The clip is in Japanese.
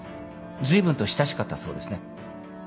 ずいぶんと親しかったそうですね。